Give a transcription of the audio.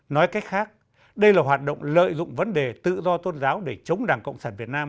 nói cách khác đây là hoạt động lợi dụng vấn đề tự do tôn giáo để chống đảng cộng sản việt nam